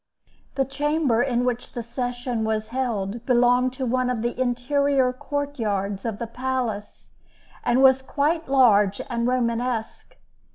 The chamber in which the session was held belonged to one of the interior court yards of the palace, and was quite large and Romanesque.